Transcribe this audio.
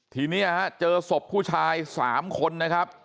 ทีนี้เจอศพผู้ชาย๓คนนะครับ